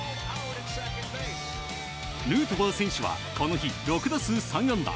ヌートバー選手はこの日、６打数３安打。